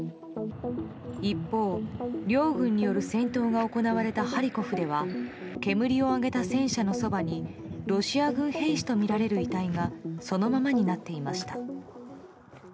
一方、両軍による戦闘が行われたハリコフでは煙を上げた戦車のそばにロシア軍兵士とみられる遺体がそのままになっていました。